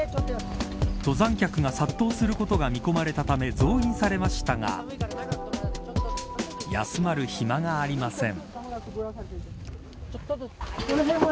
登山客が殺到することが見込まれたため増員されましたが休まる暇がありません。